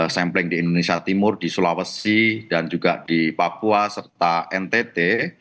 sampling di indonesia timur di sulawesi dan juga di papua serta ntt